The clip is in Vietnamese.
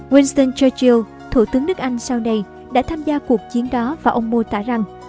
winston churchill thủ tướng nước anh sau đây đã tham gia cuộc chiến đó và ông mô tả rằng